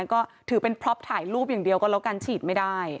ก็ถือเป็นพล็อปถ่ายรูปอย่างเดียวก็แล้วกันฉีดไม่ได้